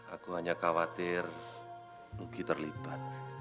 aku hanya khawatir luki terlibat